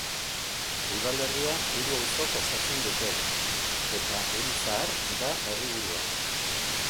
Udalerria hiru auzok osatzen dute, eta Urizar da herriburua.